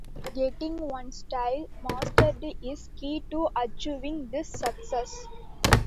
Getting one's style mastered is key to achieving this success.